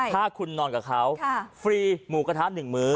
ถ้าคุณนอนกับเขาฟรีหมูกระทะ๑มื้อ